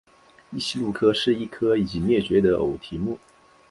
异鼷鹿科是一科已灭绝的偶蹄目。